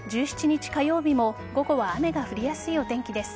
１７日火曜日も午後は雨が降りやすいお天気です。